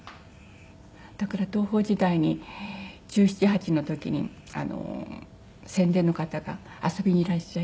だから東宝時代に１７１８の時に宣伝の方が「遊びにいらっしゃい」って言われて。